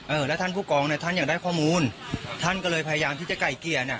เออแล้วท่านผู้กองเนี่ยท่านยังได้ข้อมูลท่านก็เลยพยายามที่จะไก่เกลี่ยน่ะ